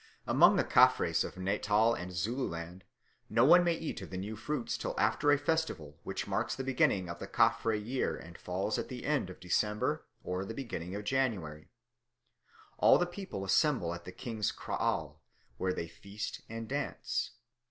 Amongst the Caffres of Natal and Zululand, no one may eat of the new fruits till after a festival which marks the beginning of the Caffre year and falls at the end of December or the beginning of January. All the people assemble at the king's kraal, where they feast and dance.